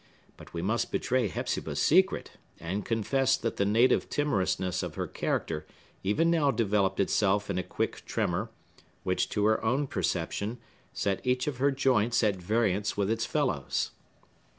But we must betray Hepzibah's secret, and confess that the native timorousness of her character even now developed itself in a quick tremor, which, to her own perception, set each of her joints at variance with its fellows.